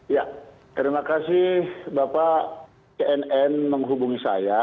ya terima kasih bapak cnn menghubungi saya